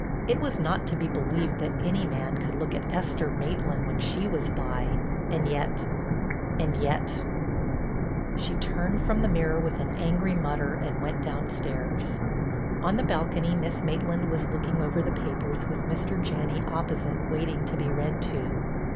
It was not to be believed that any man could look at Esther Maitland when she was by—and yet—and yet—! She turned from the mirror with an angry mutter and went downstairs. On the balcony Miss Maitland was looking over the papers with Mr. Janney opposite waiting to be read to.